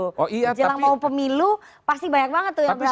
jika mau pemilu pasti banyak banget yang berangkat umroh atau naik haji